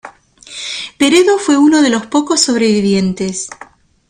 Peredo fue uno de los pocos sobrevivientes.